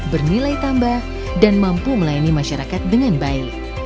bernilai tambah dan mampu melayani masyarakat dengan baik